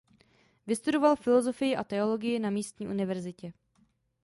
Vystudoval filosofii a teologii na místní univerzitě.